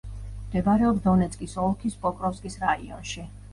მდებარეობს დონეცკის ოლქის პოკროვსკის რაიონში.